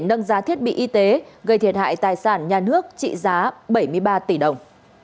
nâng giá thiết bị y tế gây thiệt hại tài sản nhà nước trị giá bảy mươi ba tỷ đồng